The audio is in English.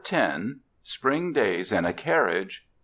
102 SPRING DAYS IN A CARRIAGE I.